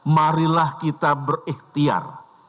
marilah kita berikhtiar